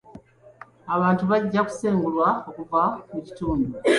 Abantu bajja kusengulwa okuva mu kitundu.